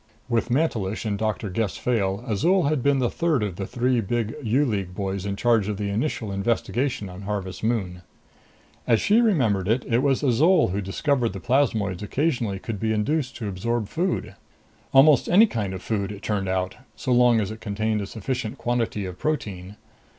With Mantelish and Doctor Gess Fayle, Azol had been the third of the three big U League boys in charge of the initial investigation on Harvest Moon. As she remembered it, it was Azol who discovered that Plasmoids occasionally could be induced to absorb food. Almost any kind of food, it turned out, so long as it contained a sufficient quantity of protein.